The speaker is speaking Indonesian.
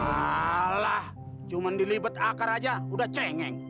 alah cuman dilibet akar aja udah cengeng